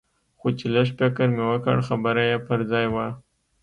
خو چې لږ فکر مې وکړ خبره يې پر ځاى وه.